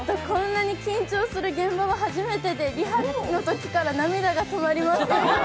こんなに緊張する現場は初めてで、リハときから涙が止まりません。